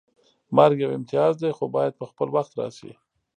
مرګ یو امتیاز دی خو باید په خپل وخت راشي